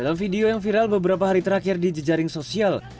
dalam video yang viral beberapa hari terakhir di jejaring sosial